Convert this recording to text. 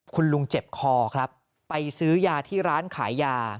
คุณลุงเจ็บคอครับไปซื้อยาที่ร้านขายยา